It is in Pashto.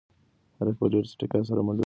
هلک په ډېرې چټکتیا سره منډې وهلې.